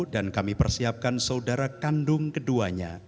dan kami persiapkan saudara kandung keduanya